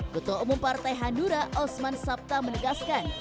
ketua umum partai hanura usman sata menegaskan